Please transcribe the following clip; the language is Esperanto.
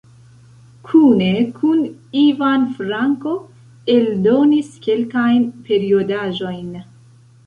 Kune kun Ivan Franko eldonis kelkajn periodaĵojn.